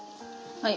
はい。